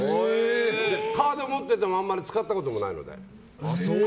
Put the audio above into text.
カード持っててもあまり使ったこともないので。